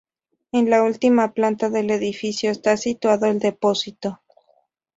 En la última planta del edificio está situado el depósito.